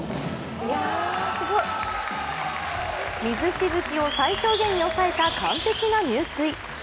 水しぶきを最小限に抑えた完璧な入水。